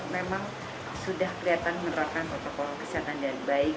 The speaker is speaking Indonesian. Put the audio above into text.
memang sudah kelihatan menerapkan protokol kesehatan dengan baik